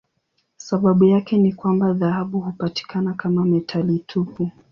Sababu yake ni kwamba dhahabu hupatikana kama metali tupu.